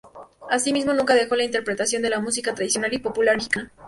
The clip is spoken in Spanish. Asimismo, nunca dejó la interpretación de la música tradicional y popular mexicana.